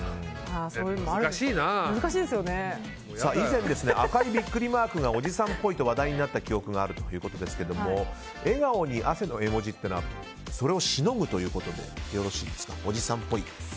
以前、赤いビックリマークがおじさんっぽいと話題になった記憶があるということですが笑顔に汗の絵文字っていうのはそれをしのぐということでよろしいですか。